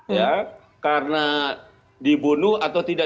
ya karena dibunuh atau tidak